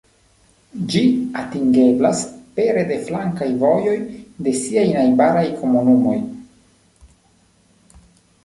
Ĝi atingeblas pere de flankaj vojoj de siaj najbaraj komunumoj.